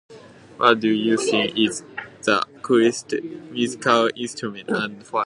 What do you think is the coolest musical instrument, and why?